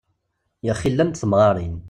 Yaxi llant temɣarin.